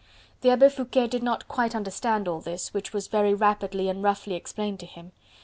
The Abbe Foucquet did not quite understand all this, which was very rapidly and roughly explained to him.